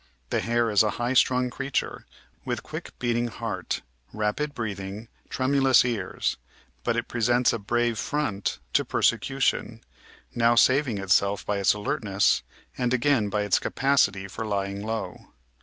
The hare is a high strung creature, with quick beating heart, rapid breathing, tremu lous ears, but it presents a brave front to persecution, now saving itself by its alertness, and again by its capacity for lying low.